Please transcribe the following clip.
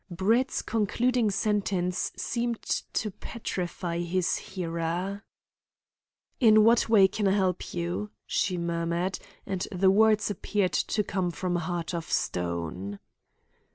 Brett's concluding sentence seemed to petrify his hearer. "In what way can I help you?" she murmured, and the words appeared to come from a heart of stone.